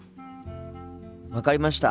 分かりました。